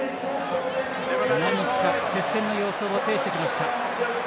何か接戦の様相を呈してきました。